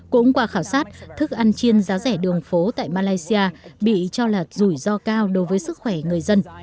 cũng qua khảo sát thức ăn chiên giá rẻ đường phố tại malaysia bị cho là rủi ro cao đối với sức khỏe người dân